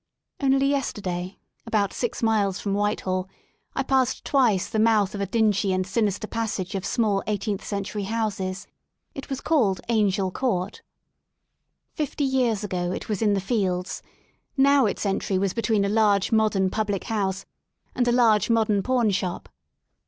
Only yester day, about six miles from Whitehall, I passed twice the mouth of a dingy and sinister passage of small eighteenth century houses* It was called Angel Court* 43 THE SOUL OF LONDON Fifty years ago it was in the fields, now its entry was between a large modern public house and a large modern pawnshop.